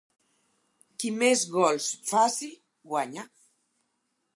Qui més gols faci, guanya.